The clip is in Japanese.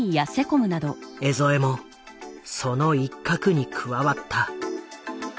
江副もその一角に加わった。